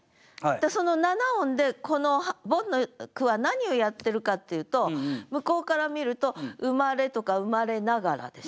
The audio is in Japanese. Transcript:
その７音でこのボンの句は何をやってるかっていうと向こうから見ると「生まれ」とか「生まれながら」でしょ。